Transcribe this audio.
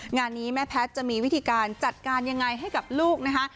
งานนี้แม่แพทย์จะมีวิธีการจัดการยังไงให้กับลูกนะคะ